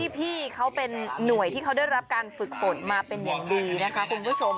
พี่เขาเป็นหน่วยที่เขาได้รับการฝึกฝนมาเป็นอย่างดีนะคะคุณผู้ชม